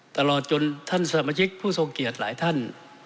ตลอดจนท่านสมาชิกผู้ทรงเกียจหลายท่าน